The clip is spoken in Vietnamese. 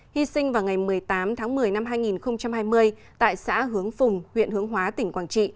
hy sinh vào ngày một mươi tám tháng một mươi năm hai nghìn hai mươi tại xã hướng phùng huyện hướng hóa tỉnh quảng trị